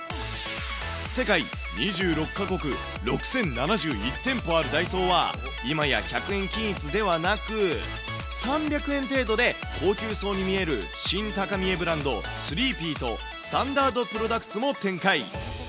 世界２６か国、６０７１店舗あるダイソーは、今や、１００円均一ではなく、３００円程度で高級そうに見える新高見えブランド、スリーピーとスタンダードプロダクツも展開。